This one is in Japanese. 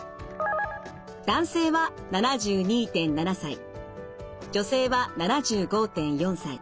男性は７２．７歳女性は７５．４歳。